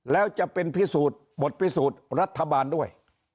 แล้วจะเป็นพิสูจน์บทพิสูจน์รัฐบาลด้วย